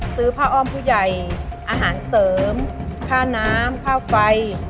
ซื้อผ้าอ้อมผู้ใหญ่อาหารเสริมค่าน้ำค่าไฟ